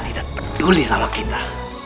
tidak peduli sama kita